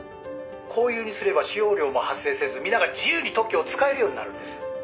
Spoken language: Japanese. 「公有にすれば使用料も発生せず皆が自由に特許を使えるようになるんです」